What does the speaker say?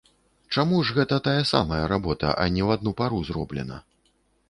Чаму ж гэта тая самая работа, а не ў адну пару зроблена?